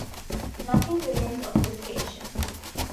Nothing remains of the station.